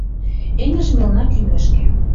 Эҥыж мелна кӱмешке